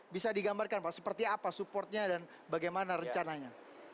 bisa digambarkan pak seperti apa supportnya dan bagaimana rencananya